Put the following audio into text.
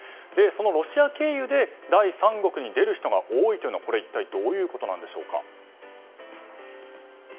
そのロシア経由で第三国に出る人が多いというのはどういうことなんでしょうか。